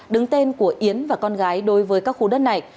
đứng tên của yến và con gái đối với các khu đất này